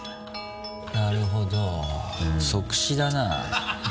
なるほど即死だな。